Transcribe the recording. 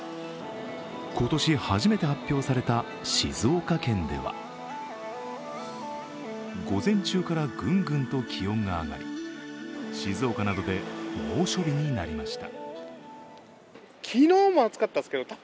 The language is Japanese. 今年初めて発表された静岡県では、午前中からグングンと気温が上がり、静岡などで猛暑日になりました。